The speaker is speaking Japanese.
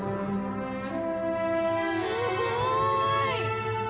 すごーい！